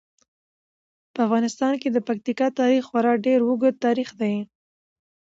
په افغانستان کې د پکتیکا تاریخ خورا ډیر اوږد تاریخ دی.